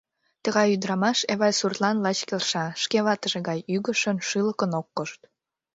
Тугай ӱдырамаш Эвай суртлан лач келша, шке ватыже гай ӱҥышын, шӱлыкын ок кошт.